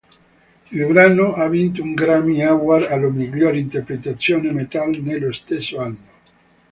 Il brano ha vinto un Grammy Award alla miglior interpretazione metal nello stesso anno.